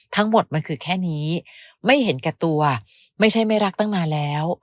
ทั้งหมดมันคือแค่นี้ไม่เห็นแก่ตัวไม่ใช่ไม่รักตั้งนานแล้ว